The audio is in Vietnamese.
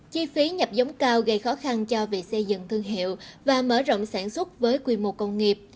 chi phí nhập giống cao gây khó khăn cho việc xây dựng thương hiệu và mở rộng sản xuất với quy mô công nghiệp